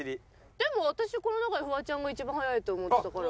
でも私この中でフワちゃんが一番速いと思ってたから。